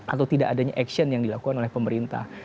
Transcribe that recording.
atau tidak adanya action yang dilakukan oleh pemerintah